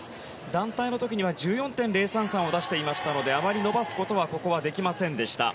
団体の時には１４．０３３を出していましたのであまり伸ばすことはできませんでした。